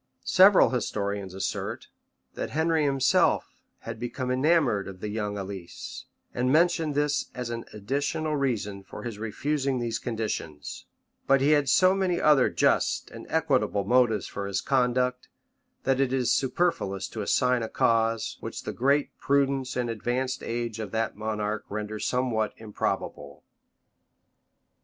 Several historians assert, that Henry himself had become enamored of young Alice, and mention this as an additional reason for his refusing these conditions; but he had so many other just and equitable motives for his conduct, that it is superfluous to assign a cause, which the great prudence and advanced age of that monarch render somewhat improbable.